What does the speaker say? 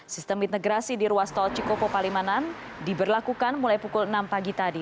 sistem integrasi di ruas tol cikopo palimanan diberlakukan mulai pukul enam pagi tadi